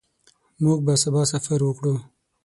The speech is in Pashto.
موږ به سبا سفر وکړو.